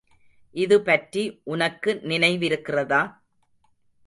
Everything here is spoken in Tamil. இது பற்றி உனக்கு நினைவிருக்கிறதா?